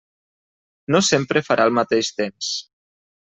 No sempre farà el mateix temps.